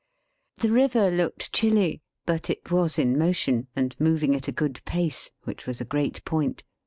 The river looked chilly; but it was in motion, and moving at a good pace; which was a great point.